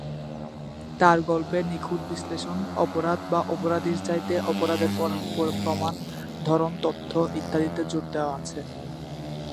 তার গল্পে নিখুঁত বিশ্লেষণ, অপরাধ বা অপরাধীর চাইতে অপরাধের প্রমাণ, ধরন, তথ্য ইত্যাদিতে জোর দেওয়া আছে।